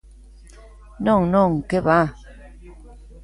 Non, non, que va!